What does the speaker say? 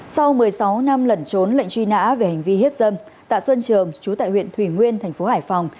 sau một mươi sáu năm lẩn trốn lệnh truy nã về hành vi hiếp dâm tạ xuân trường chú tại huyện thủy nguyên thành phố hải phòng